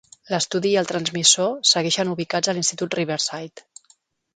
L'estudi i el transmissor segueixen ubicats a l'institut Riverside.